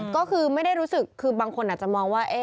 ก็คือไม่ได้รู้สึกคือบางคนอาจจะมองว่า